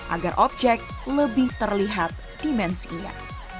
agar objek lebih terlihat dimensinya